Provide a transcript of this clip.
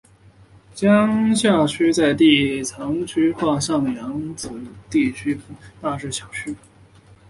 江夏区在地层区划上属扬子地层区下扬子分区大冶小区。